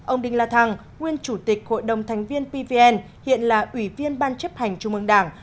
ông đinh la thăng nguyên chủ tịch hội đồng thành viên pvn hiện là ủy viên ban chấp hành trung ương đảng